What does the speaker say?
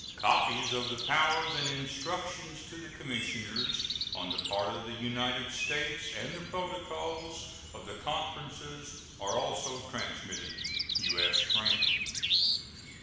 Copies of the powers and instructions to the commissioners on the part of the United States and the protocols of the conferences are also transmitted. U.S. GRANT.